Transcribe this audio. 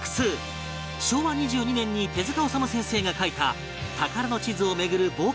昭和２２年に手治虫先生が描いた宝の地図を巡る冒険